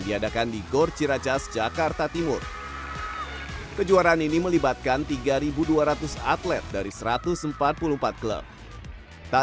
diadakan di gorjirajas jakarta timur kejuaraan ini melibatkan tiga ribu dua ratus atlet dari satu ratus empat puluh empat klub tak